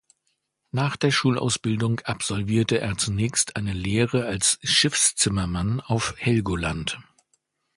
Nach der Schulausbildung absolvierte er zunächst eine Lehre als Schiffszimmermann auf Helgoland.